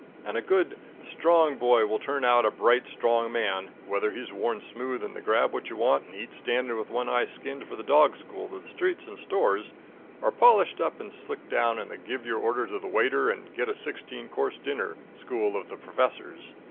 And a good, strong boy will turn out a bright, strong man whether he's worn smooth in the grab what you want and eat standing with one eye skinned for the dog school of the streets and stores, or polished up and slicked down in the give your order to the waiter and get a sixteen course dinner school of the professors.